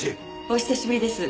お久しぶりです。